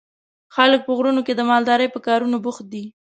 خلک په غرونو کې د مالدارۍ په کارونو بوخت دي.